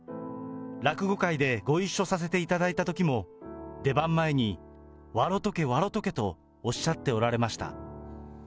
落語会でご一緒させていただいたときも、出番前に、わろとけ、わろとけとおっしゃっておられました。